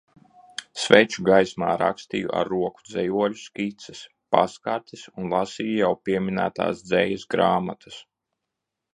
Sveču gaismā rakstīju ar roku dzejoļu skices, pastkartes un lasīju jau pieminētās dzejas grāmatas.